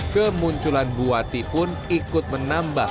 kemunculan buati pun ikut menambah